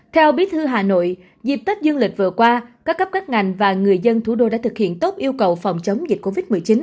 theo bí thư hà nội dịp tết dương lịch vừa qua các cấp các ngành và người dân thủ đô đã thực hiện tốt yêu cầu phòng chống dịch covid một mươi chín